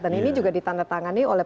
dan ini juga ditandatangani oleh